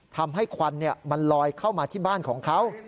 ควันมันลอยเข้ามาที่บ้านของเขา